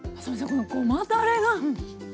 このごまだれが絶妙！